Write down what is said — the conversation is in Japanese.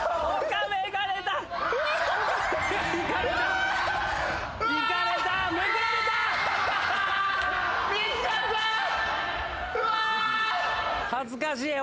岡部恥ずかしい。